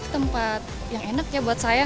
tempat yang enak ya buat saya